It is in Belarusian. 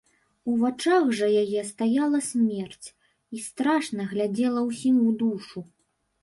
У вачах жа яе стаяла смерць і страшна глядзела ўсім у душу.